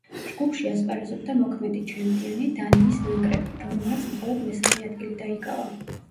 ჯგუფში ასპარეზობდა მოქმედი ჩემპიონი, დანიის ნაკრები, რომელმაც მხოლოდ მესამე ადგილი დაიკავა.